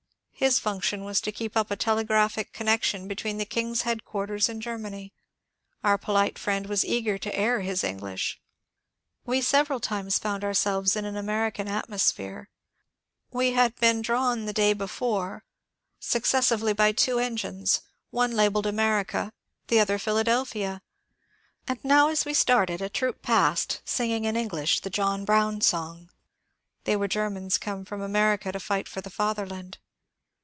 His function was to keep up a telegraphic connection between the King's headquarters and Germany. Our polite friend was eager to air his English. We several times found ourselves in an American atmos phere; we had been drawn the day before successively by INCIDENTS OP TRAVEL 229 two engines, one labelled '^ America/' the other ^* Philadel phia ;" and now, as we started, a troop passed singing in Eng lish the John Brown song ; they were Grermans come from America to fight for the Fatherland.